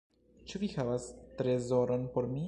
Ĉu vi havas trezoron por mi?"